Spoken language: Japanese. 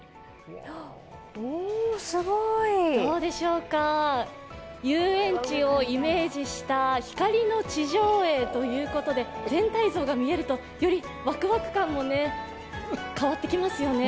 どうでしょうか、遊園地をイメージした光の地上絵ということで全体像が見えるとよりワクワク感も変わってきますよね。